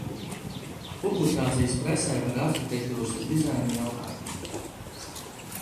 Publikācijas presē par arhitektūras un dizaina jautājumiem.